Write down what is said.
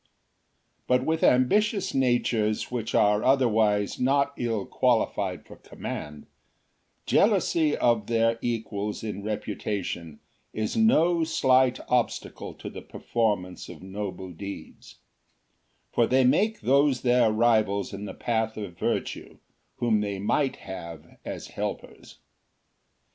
But with ambitious natures, which are otherwise not ill qualified for command, jealousy of their equals in reputation is no slight obstacle to the performance of noble deeds ; for they make those their rivals in the path of virtue, whom they might have as helpers.